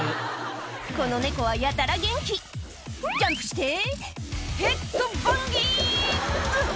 この猫はやたら元気ジャンプしてヘッドバンギング！